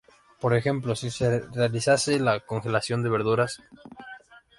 Por ejemplo, si se realizase la congelación de verduras, p.ej.